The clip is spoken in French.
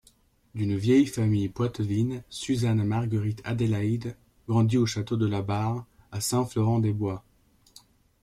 D'une vieille famille poitevine, Suzanne-Marguerite-Adélaïde grandit au château de la Barre, à Saint-Florent-des-Bois.